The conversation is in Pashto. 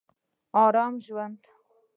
ارام ژوند